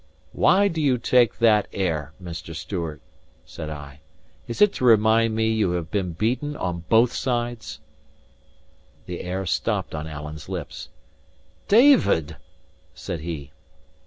"Why do ye take that air, Mr. Stewart?" said I. "Is that to remind me you have been beaten on both sides?" The air stopped on Alan's lips. "David!" said he.